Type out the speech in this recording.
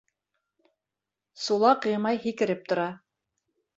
Сулаҡ-Ғимай һикереп тора.